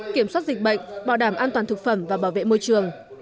kiểm soát dịch bệnh bảo đảm an toàn thực phẩm và bảo vệ môi trường